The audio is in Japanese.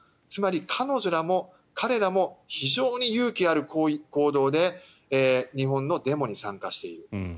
つまり、彼女らも彼らも非常に勇気のある行動で日本のデモに参加している。